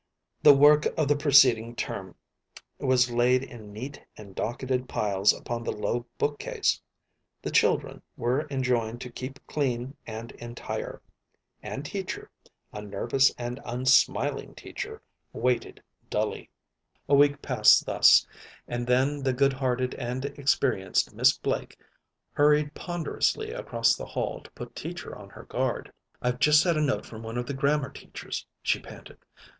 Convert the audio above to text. The work of the preceding term was laid in neat and docketed piles upon the low book case. The children were enjoined to keep clean and entire. And Teacher, a nervous and unsmiling Teacher, waited dully. A week passed thus, and then the good hearted and experienced Miss Blake hurried ponderously across the hall to put Teacher on her guard. "I've just had a note from one of the grammar teachers," she panted.